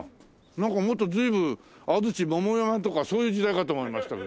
なんかもっと随分安土桃山とかそういう時代かと思いましたけど。